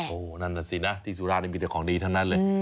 โอ้โหนั่นน่ะสินะที่สุราชนี่มีแต่ของดีทั้งนั้นเลย